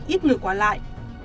ít người qua lại